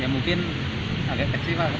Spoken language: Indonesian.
ya mungkin agak kecewa pak